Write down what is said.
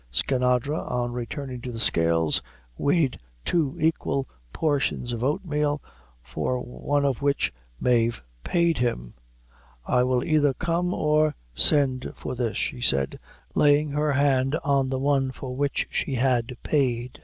Skinadre, on returning to the scales, weighed two equal portions of oatmeal, for one of which Mave paid him. "I will either come or send for this," she said laying her hand on the one for which she had paid.